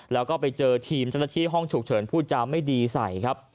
แล้วก็ไปเจอทีมศัตริย์ห้องฉุกเฉินผู้ชามไม่ดีใส่